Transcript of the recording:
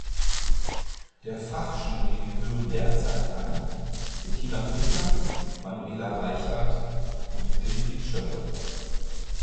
Der Fachjury gehören derzeit an: Bettina Fischer, Manuela Reichart und Wilfried Schoeller.